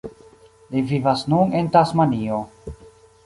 Li vivas nun en Tasmanio.